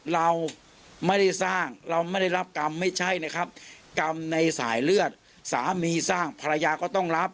เราไม่ได้สร้างเราไม่ได้รับกรรมไม่ใช่นะครับกรรมในสายเลือดสามีสร้างภรรยาก็ต้องรับ